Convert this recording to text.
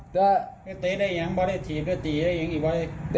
จะเตะได้ยังบ้าได้ทีเตะได้ยังอีกบาท